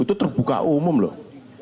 itu terbuka umum loh